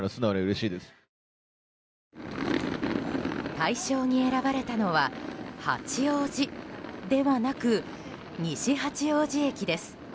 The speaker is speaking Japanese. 大賞に選ばれたのは八王子ではなく西八王子駅です。